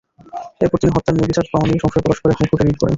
এরপর তিনি হত্যার ন্যায়বিচার পাওয়া নিয়ে সংশয় প্রকাশ করে হাইকোর্টে রিট করেন।